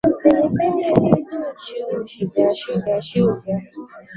Wafanyabiashara wale waliona mahubiri ya Injili kuwa kizuizi tu cha biashara yao